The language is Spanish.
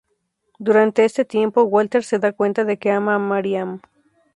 Durante este tiempo, Walter se da cuenta de que ama a Maryam.